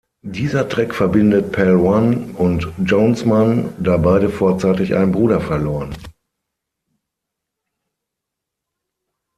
Dieser Track verbindet Pal One und Jonesmann, da beide vorzeitig einen Bruder verloren.